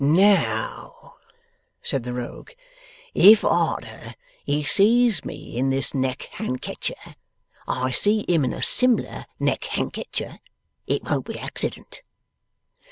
'Now,' said the Rogue, 'if arter he sees me in this neckhankecher, I see him in a sim'lar neckhankecher, it won't be accident!